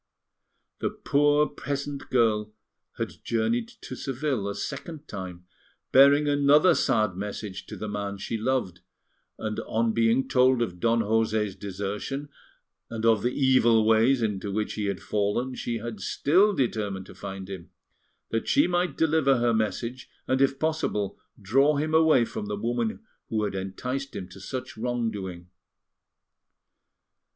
The poor peasant girl had journeyed to Seville a second time, bearing another sad message to the man she loved; and on being told of Don José's desertion and of the evil ways into which he had fallen, she had still determined to find him, that she might deliver her message, and, if possible, draw him away from the woman who had enticed him to such wrong doing.